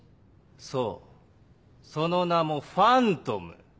そうその名もファントム！